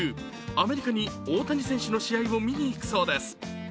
アメリカに大谷選手の試合を見に行くそうです。